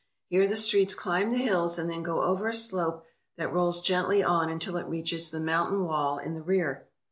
Here the streets climb the hills and then go over a slope that rolls gently on until it reaches the mountain wall in the rear.